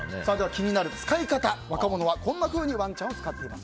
気になる使い方若者はこのようにワンチャンを使っています。